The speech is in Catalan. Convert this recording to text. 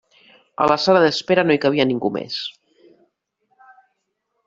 A la sala d'espera no hi cabia ningú més.